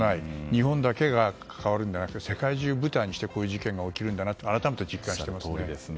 日本だけが関わるんじゃなくて世界中を舞台にしてこういう事件が起きるんだなと改めて実感しましたね。